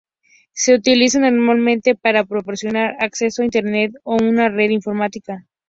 Se utiliza normalmente para proporcionar acceso a Internet o en una red informática.